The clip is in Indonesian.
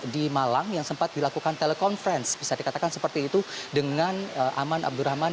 di malang yang sempat dilakukan telekonferensi bisa dikatakan seperti itu dengan aman abdurrahman